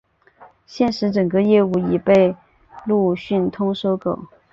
现时整个业务已被路讯通收购。